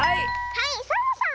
はいサボさん！